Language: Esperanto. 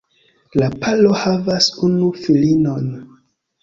La paro havas unu filinon.